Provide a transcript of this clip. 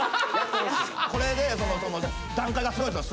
これで段階がすごいんですよ。